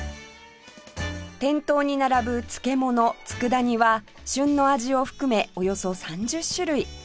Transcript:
店頭に並ぶ漬物佃煮は旬の味を含めおよそ３０種類